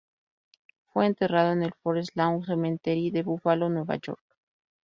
Fue enterrado en el Forest Lawn Cemetery de Búfalo, Nueva York.